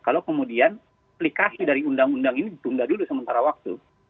kalau kemudian aplikasi dari undang undang ini ditunda dulu sementara waktu